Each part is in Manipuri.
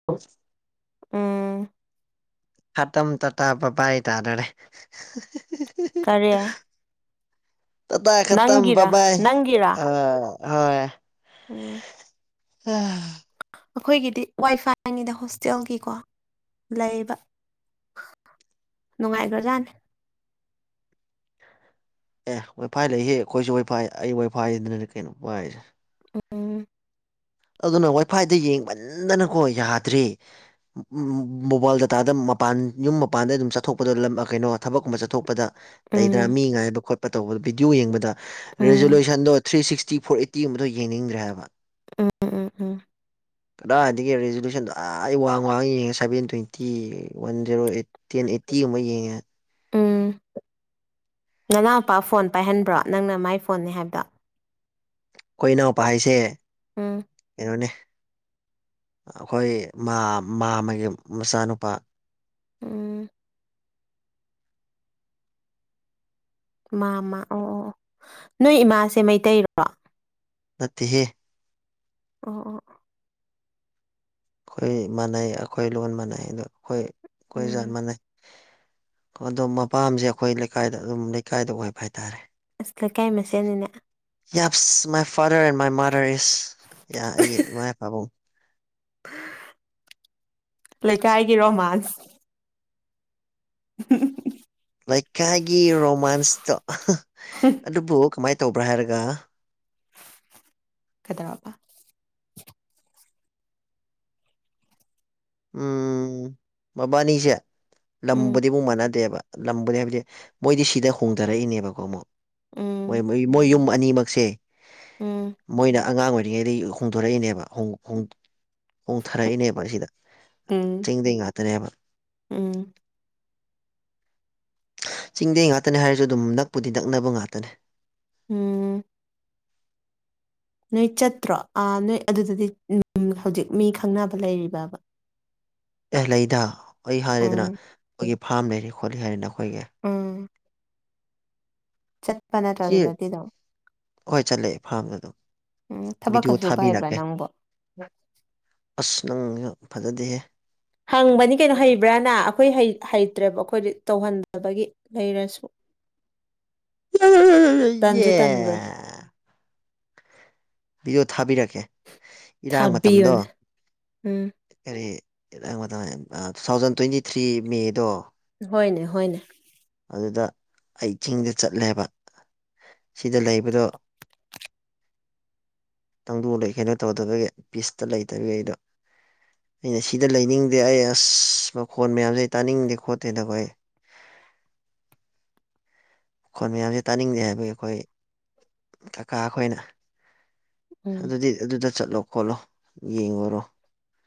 [unintelligible] ꯎꯝ ꯈꯠꯇꯝ ꯇꯇꯥ ꯕꯖꯦꯏ ꯇꯥꯗꯧꯔꯦ ꯀꯔꯤ ꯇ ꯇꯥ ꯈꯠꯇꯝ ꯕꯥꯥꯏ ꯅꯪꯒꯤꯔꯥ ꯕꯥꯢ ꯅꯪꯒꯤꯔꯥ ꯑ ꯍ ꯎꯝ ꯎꯝ ꯑꯩꯈꯣꯏꯒꯤꯗꯤ ꯋꯥꯏ ꯐꯥꯏꯅꯤꯗ ꯍꯣꯁꯇꯦꯜꯒꯤꯀꯣ ꯂꯩꯕ ꯅꯨꯡꯉꯥꯏꯒ꯭ꯔꯖꯥꯅꯦ ꯑꯦ ꯋꯥꯏꯐꯥꯏ ꯂꯩꯌꯦ ꯑꯩꯈꯣꯏꯁꯨ ꯋꯥꯏꯐꯥꯏ ꯑꯩ ꯋꯥꯏꯐꯥꯏꯗꯅꯤꯅꯦ ꯀꯩꯅꯣ ꯄꯥꯏꯔꯤꯖꯦ ꯎꯝ ꯑꯗꯨꯅ ꯋꯥꯏꯐꯥꯏꯗꯒꯤ ꯌꯦꯡꯃꯟꯗꯅꯀꯣ ꯌꯥꯗ꯭ꯔꯦ ꯃꯣꯕꯥꯏꯜ ꯗꯇꯥꯗ ꯃꯄꯥꯟ ꯌꯨꯝ ꯃꯄꯥꯟꯗ ꯑꯗꯨꯝ ꯆꯠꯊꯣꯛꯄꯗ ꯀꯩꯅꯣ ꯊꯕꯛꯀꯨꯝꯕ ꯆꯠꯊꯣꯛꯄꯗ ꯂꯩꯗꯅ ꯎꯝ ꯃꯤ ꯉꯥꯏꯕ ꯈꯣꯠꯄ ꯇꯧꯕ ꯚꯤꯗꯤꯑꯣ ꯌꯦꯡꯕꯗ ꯎꯝ ꯔꯤꯖꯣꯂꯨꯁꯟꯗꯣ ꯊ꯭ꯔꯤ ꯁꯤꯛꯁꯇꯤ ꯐꯣꯔ ꯑꯦꯠꯇꯤꯒꯨꯝꯕꯗꯣ ꯌꯦꯡꯅꯤꯡꯗ꯭ꯔꯦ ꯍꯥꯏꯕ ꯎꯝ ꯎꯝ ꯎꯝ ꯀꯗꯥꯏꯗꯒꯤ ꯔꯤꯖꯨꯂꯨꯁꯟꯗꯣ ꯑꯧ ꯋꯥꯡ ꯋꯥꯡ ꯌꯦꯡꯉꯦ seven twenty one zero eight ten eighty ꯑꯃ ꯌꯦꯡꯉꯦ ꯎꯝ ꯅꯅꯥꯎꯄꯥ ꯐꯣꯟ ꯄꯥꯏꯍꯟꯕ꯭ꯔꯣ ꯅꯪꯅ ꯃꯥꯏ ꯐꯣꯟꯅꯤ ꯍꯥꯏꯕꯗꯣ ꯑꯩꯈꯣꯏ ꯏꯅꯥꯎꯄꯥ ꯍꯥꯏꯁꯦ ꯎꯝ ꯀꯩꯅꯣꯅꯦ ꯑꯩꯈꯣꯏ ꯃꯥꯝꯃꯒꯤ ꯃꯆꯥꯅꯨꯄꯥ ꯎꯝ ꯃꯥ ꯃꯥ ꯑꯣ ꯑꯣ ꯑꯣ ꯅꯣꯏ ꯏꯃꯥꯁꯦ ꯃꯩꯇꯩꯔꯣ ꯅꯠꯇꯦꯍꯦ ꯑꯣ ꯑꯣ ꯑꯩꯈꯣꯏ ꯃꯥꯟꯅꯩ ꯑꯩꯈꯣꯏ ꯂꯣꯟ ꯃꯥꯟꯅꯩ ꯑꯗꯣ ꯑꯩꯈꯣꯏ ꯑꯩꯈꯣꯏ ꯖꯥꯠ ꯎꯝ ꯃꯥꯟꯅꯩ ꯑꯗꯣ ꯃꯄꯥꯝꯁꯦ ꯑꯩꯈꯣꯏ ꯂꯩꯀꯥꯏꯗ ꯑꯗꯨꯝ ꯂꯩꯀꯥꯏꯗ ꯑꯣꯏꯄ ꯍꯥꯏꯇꯥꯔꯦ ꯑꯁ ꯂꯩꯀꯥꯏ ꯃꯁꯦꯜꯅꯤꯅꯦ ꯌꯥꯞꯁ my father and my mother is ꯑꯩꯒꯤ ꯏꯃꯥ ꯏꯄꯥꯕꯨꯡ ꯂꯩꯀꯥꯏꯒꯤ ꯔꯣꯃꯥꯟꯁ [unintelligible] ꯎꯝ ꯂꯩꯀꯥꯏꯒꯤ ꯔꯣꯃꯥꯟꯁꯇꯣ ꯑꯗꯨꯕꯨ ꯀꯃꯥꯏꯅ ꯇꯧꯕ꯭ꯔꯥ ꯍꯥꯏꯔꯒ ꯀꯩꯗꯧꯔꯕꯥ ꯎꯝ ꯃꯕꯥꯅꯤꯁꯦ ꯎꯝ ꯂꯝꯕꯨꯗꯤ ꯑꯃꯨꯛ ꯃꯥꯟꯅꯗꯦꯕ ꯂꯝꯕꯨꯗꯤ ꯍꯥꯏꯕꯗꯤ ꯃꯣꯏꯗꯤ ꯁꯤꯗ ꯍꯣꯡꯗꯔꯛꯏꯅꯦꯕꯀꯣ ꯑꯃꯨꯛ ꯃꯣꯏ ꯎꯝ ꯃꯣꯏ ꯃꯣꯏ ꯌꯨꯝ ꯑꯅꯤꯃꯛ ꯁꯦ ꯎꯝ ꯃꯣꯏꯅ ꯑꯉꯥꯡ ꯑꯣꯏꯔꯤꯉꯩꯗ ꯍꯣꯡꯗꯣꯔꯛꯏꯅꯦꯕ ꯍꯣꯡꯊꯔꯛꯏꯅꯦꯕ ꯎꯝ ꯆꯤꯡꯗꯩ ꯉꯥꯛꯇꯅꯦꯕ ꯎꯝ ꯆꯤꯡꯗꯩ ꯉꯥꯛꯇꯅꯦ ꯍꯥꯏꯔꯁꯨ ꯑꯗꯨꯝ ꯅꯛꯄꯨꯗꯤ ꯅꯛꯅꯕ ꯉꯇꯅꯦ ꯎꯝ ꯅꯣꯏ ꯆꯠꯇ꯭ꯔꯣ ꯑ ꯅꯣꯏ ꯑꯗꯨꯗꯗꯤ ꯍꯧꯖꯤꯛ ꯃꯤ ꯈꯪꯅꯕ ꯂꯩꯔꯤꯕꯕ ꯑꯦ ꯂꯩꯗ ꯑꯩ ꯍꯥꯏꯔꯤꯦꯗꯅ ꯎꯝ ꯑꯩꯈꯣꯏꯒꯤ ꯐꯥꯝ ꯂꯩꯔꯤ ꯈꯣꯠꯂꯤ ꯍꯥꯏꯔꯤꯦꯅ ꯑꯩꯈꯣꯏꯒꯤ ꯎꯝ ꯁꯤ ꯆꯠꯄꯅꯠꯖꯗꯨꯗꯗꯤ ꯍꯣꯏ ꯆꯠꯂꯑꯦ ꯐꯥꯝꯗ ꯑꯗꯨꯝ ꯎꯝ ꯊꯕꯛꯀ ꯚꯤꯗꯤꯑꯣ ꯁꯨꯕ ꯍꯩꯕ꯭ꯔꯥ ꯊꯥꯕꯤꯔꯛꯀꯦ ꯅꯪꯕꯣ ꯑꯁ ꯅꯪꯁꯨ ꯐꯖꯗꯦꯍꯦ ꯍꯪꯕꯅꯤ ꯀꯩꯅꯣ ꯍꯩꯕ꯭ꯔꯥꯅ ꯑꯩꯈꯣꯏ ꯍꯩꯇ꯭ꯔꯦꯕ ꯑꯩꯈꯣꯏꯗꯤ ꯇꯧꯍꯟꯗꯕꯒꯤ ꯂꯩꯔꯁꯨ [inaudible] ꯌꯦ ꯇꯟꯖꯨ ꯇꯥꯟꯒꯦ ꯕꯤꯖꯣ ꯊꯥꯕꯤꯔꯛꯀꯦ ꯏꯔꯥꯡ ꯃꯇꯝꯗꯣ ꯊꯥꯕꯤꯌꯣꯅꯦ ꯎꯝ ꯌꯥꯏꯌꯦ ꯇꯨ ꯊꯥꯎꯖꯟ ꯇ꯭ꯋꯦꯟꯇꯤ ꯊ꯭ꯔꯤ ꯃꯦꯗꯣ ꯍꯣꯏꯅꯦ ꯍꯣꯏꯅꯦ ꯑꯗꯨꯗ ꯑꯩ ꯆꯤꯡꯗ ꯆꯠꯂꯦꯕ ꯁꯤꯗ ꯂꯩꯕꯗꯣ ꯇꯪꯗꯨ ꯂꯩ ꯀꯩꯅꯣ ꯇꯧꯗꯕꯒꯤ ꯄꯤꯁꯇ ꯂꯩꯇꯕꯤ ꯑꯩꯗꯣ ꯑꯩꯅ ꯁꯤꯗ ꯂꯩꯅꯤꯡꯗꯦ ꯑꯩ ꯑꯁ ꯃꯈꯣꯟ ꯃꯌꯥꯝꯁꯦ ꯑꯩ ꯇꯥꯅꯤꯡꯗꯦ ꯈꯣꯠꯇꯦꯗꯀꯣ ꯑꯩ ꯈꯣꯜ ꯃꯌꯥꯝꯁꯦ ꯇꯥꯅꯤꯡꯗꯦ ꯍꯥꯏꯕꯒꯤ ꯑꯩꯈꯣꯏ ꯀꯀꯥ ꯑꯩꯈꯣꯏꯅ ꯎꯝ ꯑꯗꯨꯗꯤ ꯑꯗꯨꯗ ꯆꯠꯂꯣ ꯈꯣꯠꯂꯣ ꯌꯦꯡꯉꯨꯔꯣ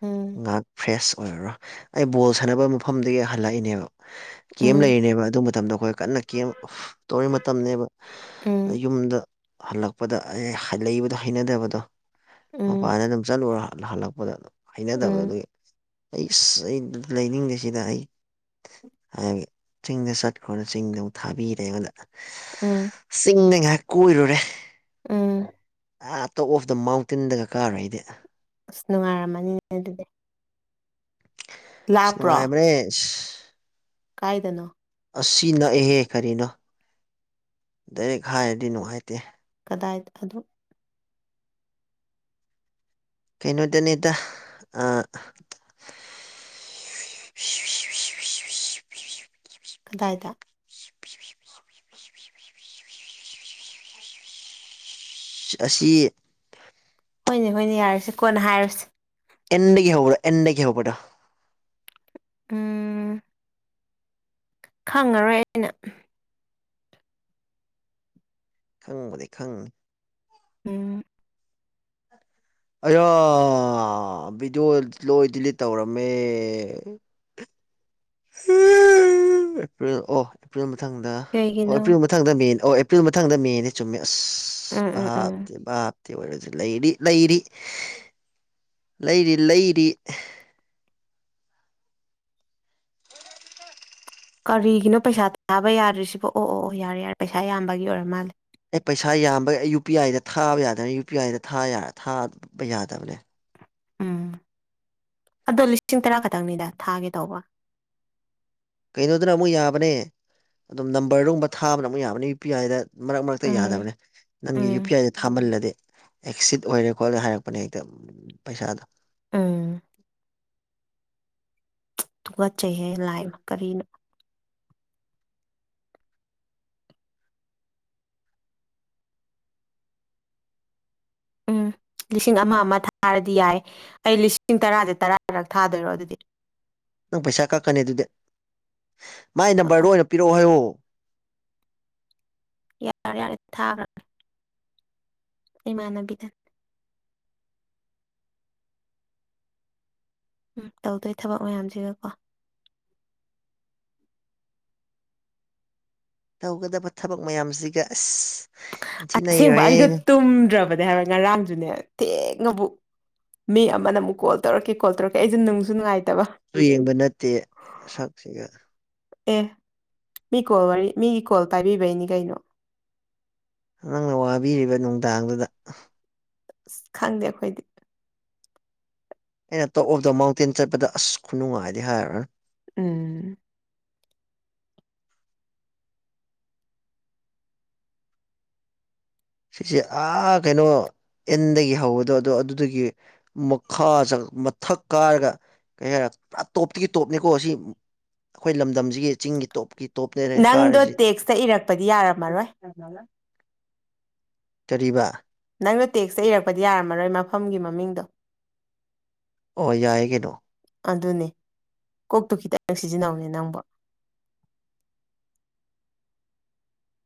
ꯎꯝ ꯉꯥꯏꯍꯥꯛ ꯐ꯭ꯔꯦꯁ ꯑꯣꯏꯔꯨꯔꯦ ꯑꯩ ꯕꯣꯜ ꯁꯥꯟꯅꯕꯒꯤ ꯃꯐꯝꯗꯒꯤ ꯍꯜꯂꯛꯏꯅꯦꯕ ꯀꯦꯝ ꯎꯝ ꯂꯩꯔꯤꯅꯦꯕ ꯑꯗꯨ ꯃꯇꯝꯗ ꯑꯩꯈꯣꯏ ꯀꯟꯅ ꯀꯦꯝ ꯇꯧꯔꯤ ꯃꯇꯝꯅꯦꯕ ꯎꯝ ꯌꯨꯝꯗ ꯍꯜꯂꯛꯄꯗ ꯑꯦ ꯂꯩꯕꯗꯣ ꯍꯩꯅꯗꯕꯗꯣ ꯎꯝ ꯃꯄꯥꯅ ꯑꯗꯨꯝ ꯆꯠꯂꯨꯔ ꯍꯜꯂꯛꯄꯗ ꯍꯩꯅꯗꯕꯗꯣ ꯎꯝ ꯑꯗꯨꯒꯤ ꯑꯩꯁ ꯑꯩ ꯂꯩꯅꯤꯡꯗꯦꯁꯤꯗ ꯑꯩ ꯍꯥꯏ ꯆꯤꯡꯗ ꯆꯠꯈ꯭ꯔꯣꯅ ꯆꯤꯡꯗ ꯑꯃꯨꯛ ꯊꯥꯕꯤꯔꯦ ꯑꯃꯗ ꯎꯝ ꯆꯤꯡꯅꯉꯥꯏ ꯀꯣꯏꯔꯨꯔꯦ ꯎꯝ ꯑ ꯑꯇꯣꯞ ꯑꯣꯞ ꯗ ꯃꯥꯎꯟꯇꯦꯟꯗꯒ ꯀꯥꯔꯣꯏ ꯑꯩꯗꯤ ꯑꯁ ꯅꯨꯡꯉꯥꯏꯔꯝꯃꯅꯤꯅꯦ ꯑꯗꯨꯗꯤ ꯂꯥꯞꯄ꯭ꯔꯣ ꯁꯅꯨꯡꯉꯥꯏ ꯃꯔꯤꯦꯁ ꯀꯥꯏꯗꯅꯣ ꯑꯁꯤ ꯅꯛꯏꯍꯦ ꯀꯔꯤꯅꯣ ꯗꯥꯏꯔꯦꯛ ꯍꯥꯏꯔꯗꯤ ꯅꯨꯡꯉꯥꯏꯇꯦ ꯀꯗꯥꯏꯗ ꯑꯗꯣ ꯀꯩꯅꯣꯗꯅꯤꯗ ꯑ ꯀꯗꯥꯏꯗ ꯑꯁꯤ ꯍꯣꯏꯅꯦ ꯍꯣꯏꯅꯦ ꯌꯥꯔꯁꯤ ꯀꯣꯟꯅ ꯍꯥꯏꯔꯁꯤ ꯑꯦꯟꯗ ꯒꯤ ꯍꯧꯕꯗꯣ ꯑꯦꯟꯗ ꯒꯤ ꯍꯧꯕꯗꯣ ꯎꯝ ꯈꯪꯉꯔꯣꯏ ꯑꯩꯅ ꯈꯪꯕꯨꯗꯤ ꯈꯪꯕꯅꯤ ꯎꯝ ꯑꯩꯌꯥ ꯚꯤꯗꯤꯑꯣ ꯂꯣꯏ ꯗꯤꯂꯤꯠ ꯇꯧꯔꯝꯃꯦ ꯭ꯔꯤꯜ ꯑꯣ ꯑꯦꯄ꯭ꯔꯤꯜ ꯃꯊꯪꯗ ꯀꯩꯒꯤꯅꯣ ꯑꯣꯄ꯭ꯔꯤꯜ ꯃꯊꯪꯗ ꯃꯦꯅꯤ ꯑꯣ ꯑꯦꯄ꯭ꯔꯤꯜ ꯃꯊꯪꯗ ꯃꯦꯅꯦ ꯆꯨꯝꯃꯦ ꯑꯁ ꯎꯝ ꯎꯝ ꯎꯝ ꯚꯥꯞ ꯚꯥꯞꯇꯤ ꯑꯣꯏꯔꯁꯨ ꯂꯩꯔꯤ ꯂꯩꯔꯤ ꯂꯩꯔꯤ ꯂꯩꯔꯤ ꯀꯔꯤꯒꯤꯅꯣ ꯄꯩꯁꯥ ꯊꯥꯕ ꯌꯥꯗ꯭ꯔꯤꯁꯤꯕꯣ ꯑꯣ ꯑꯣ ꯑꯣ ꯌꯥꯔꯦ ꯌꯥꯔꯦ ꯄꯩꯁꯥ ꯌꯥꯝꯕꯒꯤ ꯑꯣꯏꯔ ꯃꯥꯜꯂꯦ ꯑꯦ ꯄꯩꯁꯥ ꯌꯥꯝꯕ ꯌꯨ ꯄꯤ ꯑꯥꯏꯗ ꯊꯥꯕ ꯌꯥꯗꯕꯅꯤ ꯌꯨ ꯄꯤ ꯑꯥꯏꯗ ꯊꯥꯕ ꯌꯥꯗꯕꯅꯦ ꯎꯝ ꯑꯗꯣ ꯂꯤꯁꯤꯡ ꯇꯔꯥ ꯈꯛꯇꯪꯅꯤꯗ ꯊꯥꯒꯦ ꯇꯧꯕ ꯀꯩꯅꯣꯗꯅ ꯑꯃꯨꯛ ꯌꯥꯕꯅꯦ ꯑꯗꯨꯝ ꯅꯝꯕꯔꯗꯨꯨꯝꯕ ꯊꯥꯕꯅ ꯑꯃꯨꯛ ꯌꯥꯕꯅꯦ ꯌꯨ ꯄꯤ ꯑꯥꯏꯗ ꯃꯔꯛ ꯃꯔꯛꯇ ꯎꯝ ꯌꯥꯗꯕꯅꯦ ꯅꯪꯒꯤ ꯌꯨ ꯄꯤ ꯎꯝ ꯑꯥꯏꯗ ꯊꯥꯃꯜꯂꯗꯤ ꯑꯦꯛꯁꯤꯠ ꯑꯣꯏꯔꯦ ꯈꯣꯠꯂꯦ ꯍꯥꯏꯔꯛꯄꯅꯦ ꯑꯩꯗꯣ ꯄꯩꯁꯥꯗꯣ ꯎꯝ ꯊꯨꯀꯠꯆꯩꯍꯦ ꯂꯥꯏꯅ ꯀꯔꯤꯅꯣ ꯎꯝ ꯂꯤꯁꯤꯡ ꯑꯃ ꯑꯃ ꯊꯥꯔꯗꯤ ꯌꯥꯏ ꯑꯩ ꯂꯤꯁꯤꯡ ꯇꯔꯥꯁꯦ ꯇꯔꯥꯔꯛ ꯊꯥꯗꯣꯏꯔꯣ ꯑꯗꯨꯗꯤ ꯅꯪ ꯄꯩꯁꯥ ꯀꯛꯈꯔꯅꯤ ꯑꯗꯨꯗꯤ ꯃꯥꯏ ꯅꯝꯕꯔꯗꯣ ꯀꯛꯑꯣꯏ ꯑꯣꯏꯅ ꯄꯤꯔꯛꯑꯣ ꯍꯥꯏꯌꯣ ꯌꯥꯔꯦ ꯌꯥꯔꯦ ꯊꯥꯈ꯭ꯔ ꯏꯃꯅꯕꯤꯗ ꯎꯝ ꯇꯧꯗꯣꯏ ꯊꯕꯛ ꯃꯌꯥꯝꯁꯤꯒꯀꯣ ꯇꯧꯒꯗꯕ ꯊꯕꯛ ꯃꯌꯥꯝꯁꯤꯒ ꯑꯁ ꯌꯥꯝ ꯊꯤꯅ ꯑꯁꯦꯡꯕ ꯅꯩꯔꯦꯍꯦ ꯑꯩꯁꯨꯣ ꯅꯪꯁꯨ ꯇꯨꯝꯗ꯭ꯔꯕꯅꯦ ꯍꯥꯏꯕ ꯉꯔꯥꯡꯗꯨꯅꯦ ꯊꯦꯡꯅꯕꯨ ꯃꯤ ꯑꯃꯅ ꯑꯃꯨꯛ ꯀꯣꯜ ꯇꯧꯔꯛꯀꯦ ꯀꯣꯜ ꯇꯧꯛꯀꯦ ꯑꯩꯁꯨ ꯅꯨꯡꯁꯨ ꯅꯨꯡꯉꯥꯏꯇꯕ ꯌꯦꯡꯕ ꯅꯠꯇꯦ ꯁꯛꯁꯤꯒ ꯑꯦ ꯃꯤ ꯀꯣꯜ ꯋꯥꯔꯤ ꯃꯤꯒꯤ ꯀꯣꯜ ꯄꯥꯏꯕꯤꯕꯩꯅꯤ ꯀꯩꯅꯣ ꯅꯪꯅ ꯋꯥꯕꯤꯔꯤꯕ ꯅꯨꯡꯗꯥꯡꯗꯨꯗ ꯑ ꯈꯪꯗꯦ ꯑꯩꯈꯣꯏꯗꯤ ꯑꯩꯅ ꯇꯣꯞ ꯑꯣꯐ ꯗ ꯃꯥꯎꯟꯇꯦꯟ ꯆꯠꯄꯗ ꯑꯁ ꯈꯨꯅꯨꯡꯉꯥꯏꯗꯤ ꯍꯥꯏꯅ ꯎꯝ ꯁꯤꯁꯦ ꯑꯥ ꯀꯩꯅꯣ ꯑꯦꯟꯗꯒꯤ ꯍꯧꯕꯗꯣ ꯑꯗꯣ ꯑꯗꯨꯗꯒꯤ ꯃꯈꯥ ꯃꯊꯛ ꯀꯥꯔꯒ ꯀꯩ ꯍꯥꯏꯔꯦ ꯄꯨꯔꯥ ꯇꯣꯞꯇꯒꯤ ꯇꯣꯞꯅꯤꯀꯣ ꯑꯁꯤ ꯑꯩꯈꯣꯏ ꯂꯝꯗꯝꯁꯤꯒꯤ ꯆꯤꯡꯒꯤ ꯇꯣꯞꯀꯤ ꯇꯣꯞꯅꯦꯅ ꯅꯪꯗꯣ ꯇꯦꯛꯁꯇ ꯏꯔꯛꯄꯗꯤ ꯌꯥꯔꯝꯃꯔꯣꯏ ꯍꯂ [unintelligible] ꯀꯔꯤꯕ ꯅꯪꯅꯣ ꯇꯦꯛꯁꯇ ꯏꯔꯛꯄꯗꯤ ꯌꯥꯔꯝꯃꯔꯣꯏ ꯃꯐꯝꯒꯤ ꯃꯃꯤꯡꯗꯣ ꯑꯣ ꯌꯥꯏ ꯀꯩꯅꯣ ꯑꯗꯨꯅꯦ ꯀꯣꯛꯇꯨ ꯈꯤꯇꯪ ꯁꯤꯖꯤꯟꯅꯧꯅꯦ ꯅꯪꯕꯣ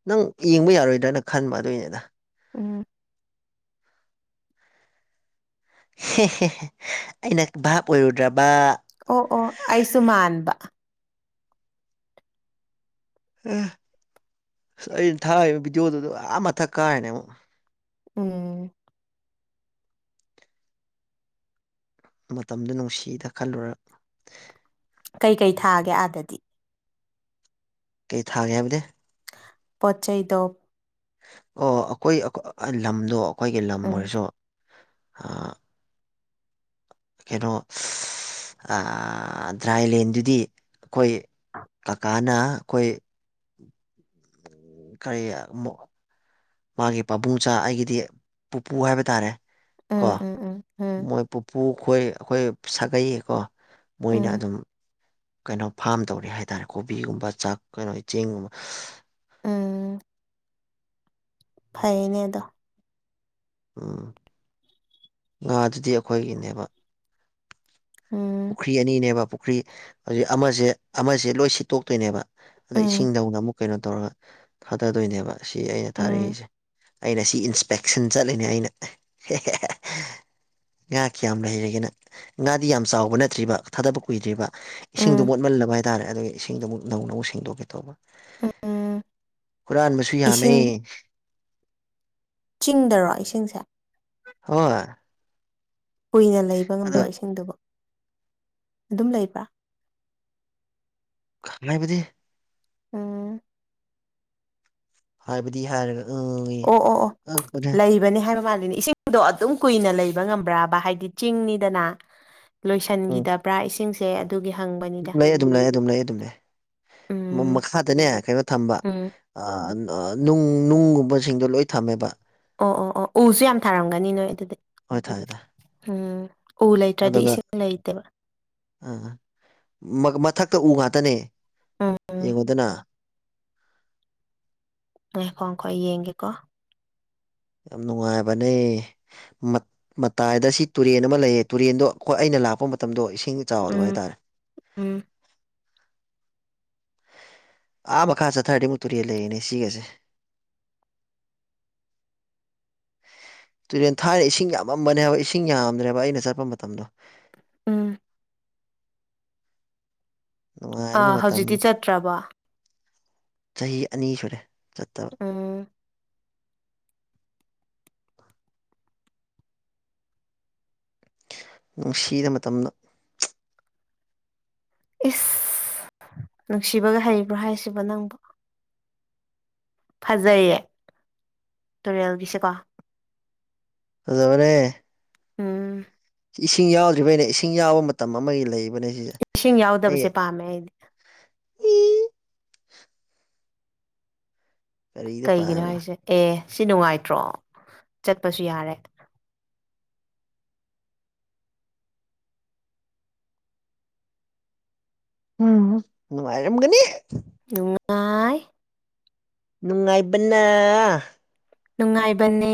ꯅꯪ ꯌꯦꯡꯕ ꯌꯥꯔꯣꯏꯗ꯭ꯔꯅ ꯈꯟꯕ ꯑꯗꯨꯏꯅꯤꯗ ꯎꯝ ꯍꯦ ꯍꯦ ꯑꯩꯅ ꯚꯥꯞ ꯑꯣꯏꯔꯨꯗ꯭ꯔꯕ ꯑꯣ ꯑꯣ ꯑꯩꯁꯨ ꯃꯥꯟꯕ ꯑꯦ ꯑꯁ ꯑꯩꯅ ꯊꯥꯛꯏꯕ ꯚꯤꯗꯤꯑꯣꯗꯨꯗ ꯑꯥ ꯃꯊꯛ ꯀꯥꯏꯔꯅꯦ ꯑꯃꯨꯛ ꯎꯝ ꯃꯇꯝꯗꯨ ꯅꯨꯡꯁꯤꯗ ꯈꯜꯂꯨꯔꯒ ꯀꯩ ꯀꯩ ꯊꯥꯒꯦ ꯑꯥꯗꯗꯤ ꯀꯩ ꯊꯥꯒꯦ ꯍꯥꯏꯕꯗꯤ ꯄꯣꯆꯩꯗ ꯑꯣ ꯑꯩꯈꯣꯏ ꯂꯝꯗꯣ ꯑꯩꯈꯣꯏꯒꯤ ꯂꯝ ꯎꯝ ꯑꯣꯏꯔꯁꯨ ꯀꯩꯅꯣ ꯗ꯭ꯔꯥꯏꯂꯦꯟꯗꯨꯗꯤ ꯑꯩꯈꯣꯏ ꯀꯀꯥꯅ ꯑꯩꯈꯣꯏ ꯀꯔꯤ ꯃꯥꯒꯤ ꯄꯥꯕꯨꯡꯆꯥ ꯑꯩꯒꯤꯗꯤ ꯄꯨꯄꯨ ꯍꯥꯏꯕ ꯇꯥꯔꯦ ꯀꯣ ꯎꯝ ꯎꯝ ꯎꯝ ꯎꯝ ꯃꯣꯏ ꯄꯨꯄꯨ ꯈꯣꯏ ꯑꯩꯈꯣꯏ ꯁꯥꯒꯩꯌꯦꯀꯣ ꯃꯣꯏꯅ ꯎꯝ ꯑꯗꯨꯝ ꯀꯩꯅꯣ ꯐꯥꯝ ꯇꯧꯔꯤ ꯍꯥꯏꯇꯥꯔꯦ ꯀꯣꯕꯤꯒꯨꯝꯕ ꯆꯥꯛ ꯀꯩꯅꯣ ꯆꯦꯡꯒꯨꯝꯕ ꯎꯝ ꯐꯩꯅꯦ ꯑꯗꯣ ꯎꯝ ꯉꯥꯗꯨꯗꯤ ꯑꯩꯈꯣꯏꯒꯤꯅꯦꯕ ꯎꯝ ꯄꯨꯈ꯭ꯔꯤ ꯑꯅꯤꯅꯦꯕ ꯄꯨꯈ꯭ꯔꯤ ꯍꯧꯖꯤꯛ ꯑꯃꯁꯦ ꯑꯃꯁꯦ ꯂꯣꯏ ꯁꯤꯠꯇꯣꯛꯇꯣꯏꯅꯦꯕ ꯑꯗ ꯎꯝ ꯏꯁꯤꯡꯗꯧꯅ ꯑꯃꯨꯛ ꯀꯩꯅꯣ ꯇꯧꯔꯒ ꯊꯥꯗꯗꯣꯏꯅꯦꯕ ꯁꯤ ꯑꯩꯅ ꯎꯝ ꯊꯥꯔꯛꯏꯁꯦ ꯑꯩꯅ ꯁꯤ ꯏꯟꯁꯄꯦꯛꯁꯟ ꯆꯠꯂꯤꯅꯦ ꯑꯩꯅ ꯍꯦ ꯍꯦ ꯍꯦ ꯉꯥ ꯀꯌꯥꯝ ꯂꯩꯔꯒꯦ ꯅꯪ ꯉꯥꯗꯤ ꯌꯥꯝ ꯆꯥꯎꯕ ꯅꯠꯇ꯭ꯔꯤꯕ ꯊꯥꯗꯕ ꯀꯨꯏꯗ꯭ꯔꯤꯕ ꯏꯁꯤꯡꯗꯣ ꯎꯝ ꯃꯣꯠꯃꯜꯂꯕ ꯍꯥꯏꯇꯥꯔꯦ ꯑꯗꯨꯒꯤ ꯏꯁꯤꯡꯗꯨꯃꯨꯛ ꯅꯧꯅ ꯑꯃꯨꯛ ꯁꯦꯡꯗꯣꯛꯀꯦ ꯇꯧꯕ ꯎꯝ ꯍꯨꯔꯥꯟꯕꯁꯨ ꯌꯥꯝꯃꯦ꯫ ꯏꯁꯤꯡ ꯆꯤꯡꯗꯔꯣ ꯏꯁꯤꯡꯁꯦ꯫ ꯍꯣꯏ꯫ ꯀꯨꯏꯅ ꯂꯩꯕ ꯑꯗꯣ ꯉꯝꯕ꯭ꯔꯣ ꯏꯁꯤꯡꯗꯨꯕꯨ ꯑꯗꯨꯝ ꯂꯩꯕ꯭ꯔꯥ꯫ [unintelligible] ꯎꯝ ꯍꯥꯏꯕꯗꯤ ꯍꯥꯏꯔꯒ ꯑꯪ ꯑꯣ ꯑꯣ ꯑꯣ ꯑꯪ ꯂꯩ ꯂꯩꯕꯅꯤ ꯍꯥꯏꯕ ꯃꯥꯂꯦꯅꯦ ꯏꯁꯤꯡꯗꯣ ꯑꯗꯨꯝ ꯀꯨꯏꯅ ꯂꯩꯕ ꯉꯝꯕ꯭ꯔꯥꯕ ꯍꯥꯏꯗꯤ ꯆꯤꯡꯅꯤꯗꯅ ꯂꯣꯏꯁꯤꯟꯈꯤꯗꯕ꯭ꯔꯥ ꯏꯁꯤꯡꯁꯦ ꯑꯗꯨꯒꯤ ꯍꯪꯕꯅꯤ ꯑꯗꯨꯝ ꯂꯩ ꯑꯗꯨꯝ ꯂꯩ ꯑꯗꯨꯝ ꯂꯩ ꯑꯗꯨꯝ ꯂꯩ ꯎꯝ ꯃꯈꯥꯗꯅꯦ ꯀꯩꯅꯣ ꯊꯝꯕ ꯎꯝ ꯑ ꯑ ꯅꯨꯡ ꯅꯨꯡꯒꯨꯝꯕꯁꯤꯡꯗꯣ ꯂꯣꯏ ꯊꯝꯃꯦꯕ꯫ ꯑꯣ ꯑꯣ ꯑꯣ ꯎꯁꯨ ꯌꯥꯝ ꯊꯥꯔꯝꯒꯅꯤ ꯅꯣꯏ ꯑꯗꯨꯗꯤ ꯍꯣꯏ ꯊꯥꯏꯗ꯫ ꯎꯝ ꯎ ꯂꯩꯇ꯭ꯔꯗꯤ ꯏꯁꯤꯡ ꯂꯩꯇꯦꯕ꯫ ꯑꯥ ꯃꯊꯛꯇ ꯎ ꯉꯥꯛꯇꯅꯦ ꯎꯝ ꯎꯝ ꯌꯦꯡꯉꯣꯗꯅ ꯉꯥꯏꯈꯣ ꯉꯥꯏꯈꯣ ꯌꯦꯡꯒꯦꯀꯣ꯫ ꯌꯥꯝ ꯅꯨꯡꯉꯥꯏꯕꯅꯦ꯫ ꯃꯇꯥꯏꯗ ꯁꯤ ꯇꯨꯔꯦꯟ ꯑꯃ ꯂꯩꯌꯦ ꯇꯨꯔꯦꯟꯗꯣ ꯑꯩꯈꯣꯏ ꯑꯩꯅ ꯂꯥꯛꯄ ꯃꯇꯝꯗꯣ ꯏꯁꯤꯡ ꯆꯥꯎꯗꯕ ꯎꯝ ꯍꯥꯏꯇꯥꯔꯦ꯫ ꯎꯝ ꯑꯥ ꯃꯈꯥ ꯆꯠꯊꯔꯇꯃꯨꯛ ꯇꯨꯦ ꯂꯩꯔꯤꯅꯦ ꯁꯤꯒꯁꯦ [inaudible] ꯇꯨꯔꯦꯟ ꯊꯥꯏꯅ ꯏꯁꯤꯡ ꯌꯥꯝꯃꯝꯕꯅꯦ ꯍꯥꯏꯕ ꯏꯁꯤꯡ ꯌꯥꯝꯗ꯭ꯔꯦꯕ ꯑꯩꯅ ꯆꯠꯄ ꯃꯇꯝꯗꯣ ꯎꯝ ꯅꯨꯡꯉꯥꯏꯕꯅꯤ ꯑꯥ ꯃꯇꯝ ꯍꯧꯖꯤꯛꯇꯤ ꯆꯠꯇ꯭ꯔꯕꯣ꯫ ꯆꯍꯤ ꯑꯅꯤ ꯁꯨꯔꯦ ꯆꯠꯇ ꯎꯝ꯫ ꯅꯨꯡꯁꯤꯗ ꯃꯇꯝꯗꯣ ꯏꯁ ꯅꯨꯡꯁꯤꯕꯒ ꯍꯩꯕ꯭ꯔꯣ ꯍꯥꯏꯁꯤꯕꯣ ꯅꯪꯕꯨ ꯐꯖꯩꯌꯦ ꯇꯨꯔꯦꯜꯒꯤꯁꯦꯀꯣ ꯑꯗꯕꯅꯦ ꯎꯝ ꯏꯁꯤꯡ ꯌꯥꯎꯗ꯭ꯔꯤꯕꯩꯅ ꯏꯁꯤꯡ ꯌꯥꯕ ꯃꯇꯝ ꯑꯃꯒꯤ ꯂꯩꯕꯅꯦ ꯁꯤꯁꯦ ꯏꯁꯤꯡ ꯌꯥꯎꯗꯕꯁꯦ ꯑꯩ ꯄꯥꯝꯃꯦ ꯑꯩꯗꯤ ꯀꯔꯤꯗ ꯀꯩꯒꯤꯅꯣ ꯄꯥꯕ ꯍꯥꯏꯁꯦ ꯑꯦ ꯁꯤ ꯅꯨꯡꯉꯥꯏꯇ꯭ꯔꯣ ꯆꯠꯄꯁꯨ ꯌꯥꯔꯦ ꯎꯝ ꯅꯨꯡꯉꯥꯏꯔꯝꯒꯅꯤ ꯅꯨꯡꯉꯥꯏ ꯅꯨꯡꯉꯥꯏꯕꯅ ꯅꯨꯡꯉꯥꯏꯕꯅꯦ